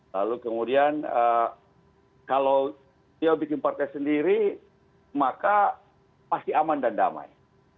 lalu kemudian kalau dia bikin partai sendiri maka pasti aman dan damai